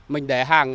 mình để hàng